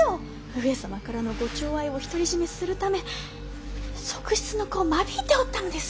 上様からのご寵愛を独り占めするため側室の子を間引いておったのです。